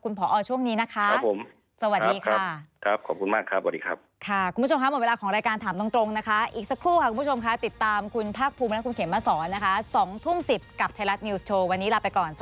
เข้าใจค่ะพอค่ะเดี๋ยวเราตามข่าวกันต่อ